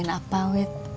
bantuin apa wit